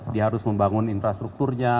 dia harus membangun infrastrukturnya